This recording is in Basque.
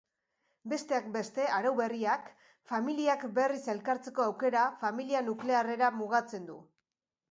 Besteak beste, arau berriak familiak berriz elkartzeko aukera familia nuklearrera mugatzen du.